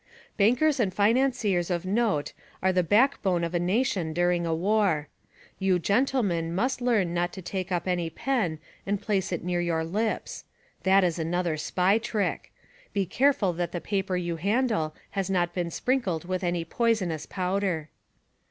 Bankers and financiers of note are the back bone of a nation during a war. You gentlemen, must learn not to take up any pen and place it near your lips. That is another Spy trick. Be careful that the paper you handle has not been sprinkled with any poisonous powder.